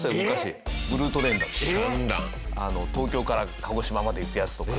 東京から鹿児島まで行くやつとか。